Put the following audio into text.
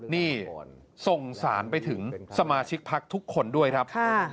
นี่ส่งสารไปถึงสมาชิกพักทุกคนด้วยครับ